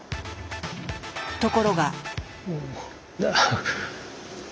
ところが。